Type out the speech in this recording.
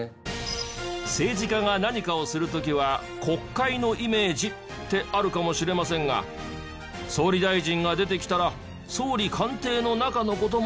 政治家が何かをする時は国会のイメージってあるかもしれませんが総理大臣が出てきたら総理官邸の中の事も多いんです。